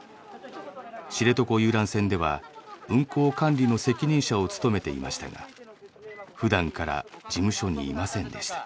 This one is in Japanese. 知床遊覧船では運航管理の責任者を務めていましたが普段から事務所にいませんでした。